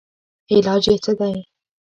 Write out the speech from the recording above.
علاج ئې څۀ دے